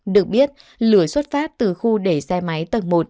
được biết lửa xuất phát từ khu để xe máy tầng một